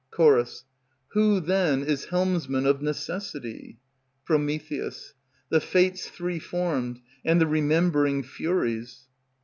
Ch. Who, then, is helmsman of necessity? Pr. The Fates three formed, and the remembering Furies.